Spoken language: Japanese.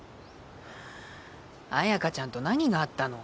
綾華ちゃんと何があったの？